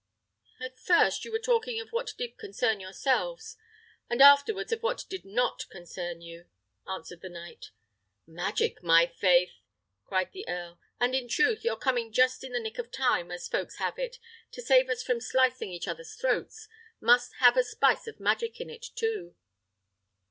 "At first you were talking of what did concern yourselves, and afterwards of what did not concern you," answered the knight. "Magic, by my faith!" cried the earl; "and in truth, your coming just in the nick of time, as folks have it, to save us from slicing each other's throats, must have had a spice of magic in it too."